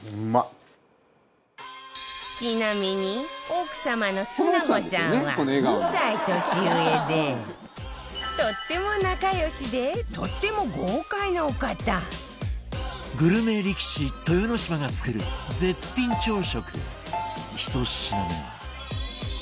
ちなみに奥様の沙帆さんは２歳年上でとっても仲良しでとっても豪快なお方グルメ力士豊ノ島が作る絶品朝食１品目は豊ノ島：あれ作ろうよ。